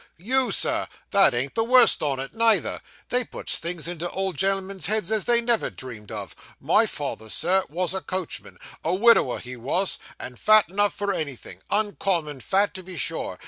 You, Sir! That ain't the worst on it, neither. They puts things into old gen'l'm'n's heads as they never dreamed of. My father, Sir, wos a coachman. A widower he wos, and fat enough for anything uncommon fat, to be sure.